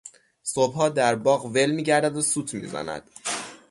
صبحها در باغ ول میگردد و سوت میزند.